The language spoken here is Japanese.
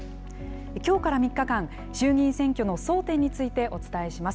きょうから３日間、衆議院選挙の争点についてお伝えします。